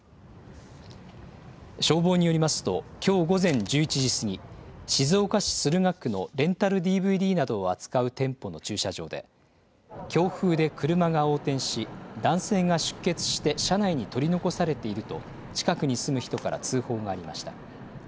消防によりますときょう午前１１時過ぎ、静岡市駿河区のレンタルＤＶＤなどを扱う店舗の駐車場で強風で車が横転し男性が出血して車内に取り残されていると近くに住む人から通報がありました。